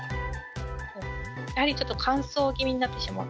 やはりちょっと乾燥気味になってしまう。